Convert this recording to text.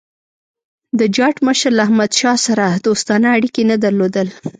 د جاټ مشر له احمدشاه سره دوستانه اړیکي نه درلودل.